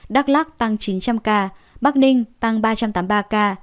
đắk lắc tăng chín trăm linh ca bắc ninh tăng ba trăm tám mươi ba ca